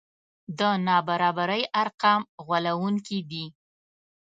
د نابرابرۍ ارقام غولوونکي دي.